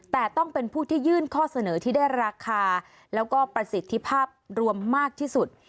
แต่ต้องเป็นผู้ที่ยื่นข้อเสนอที่ได้ราคาแล้วก็ประสิทธิภาพรวมมากที่สุด